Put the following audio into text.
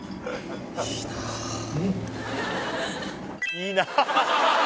いいなぁ